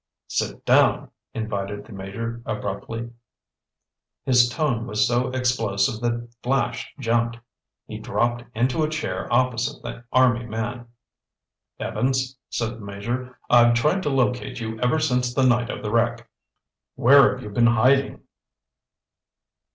"Sit down!" invited the Major abruptly. His tone was so explosive that Flash jumped. He dropped into a chair opposite the army man. "Evans," said the Major, "I've tried to locate you ever since the night of the wreck. Where have you been hiding?"